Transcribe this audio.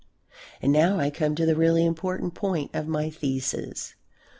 And now I come to the really important point of my thesis.